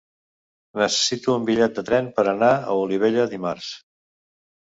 Necessito un bitllet de tren per anar a Olivella dimarts.